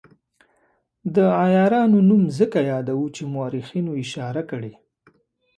د عیارانو نوم ځکه یادوو چې مورخینو اشاره کړې.